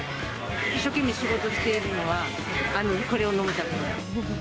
一生懸命仕事しているのはこれを飲むため。